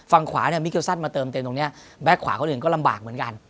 ฝั่งขวาเนี่ยมิเกลซันมาเติมเต็มตรงนี้แก๊กขวาคนอื่นก็ลำบากเหมือนกัน